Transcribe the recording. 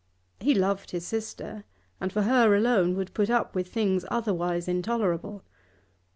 He loved his sister, and for her alone would put up with things otherwise intolerable.